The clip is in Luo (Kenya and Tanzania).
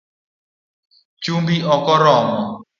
Chumbi okoromo